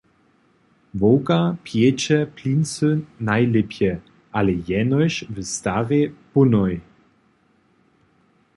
Wowka pječe plincy najlěpje, ale jenož w starej pónoji.